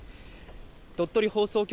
鳥取放送局